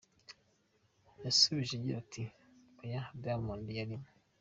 yasubije agira ati, Oya, Daimond yarimo.